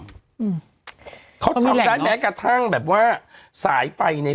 แม้กระทั่งแบบว่าสายไฟในบ้างถังแก๊สมันจะหายไปยังไง